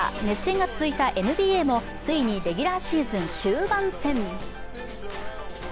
熱戦が続いたＮＢＡもついにレギュラーシーズン終盤戦。